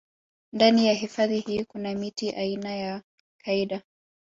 Ndani ya hifadhi hii kuna miti aina ya kaida